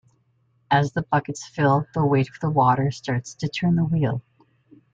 As the buckets fill, the weight of the water starts to turn the wheel.